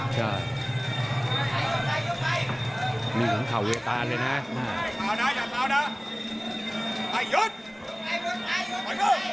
ใช่มีหลวงเขาเวตาเลยนะมาก